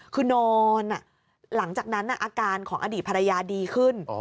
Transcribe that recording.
คือนอนหลังจากนั้นอาการของอดีตภรรยาดีขึ้น